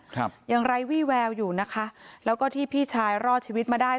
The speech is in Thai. ครับยังไร้วี่แววอยู่นะคะแล้วก็ที่พี่ชายรอดชีวิตมาได้